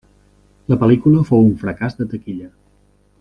La pel·lícula fou un fracàs de taquilla.